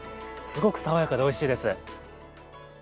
すごく爽やかでおいしいです。